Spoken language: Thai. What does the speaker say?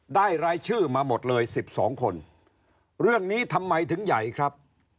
รายชื่อมาหมดเลย๑๒คนเรื่องนี้ทำไมถึงใหญ่ครับ